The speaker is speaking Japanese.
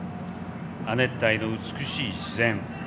亜熱帯の美しい自然。